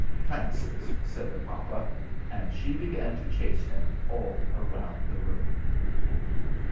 "Trances," said the papa, and she began to chase him all round the room.